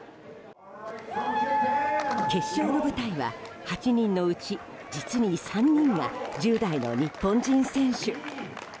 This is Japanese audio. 決勝の舞台は８人のうち実に３人が１０代の日本人選手。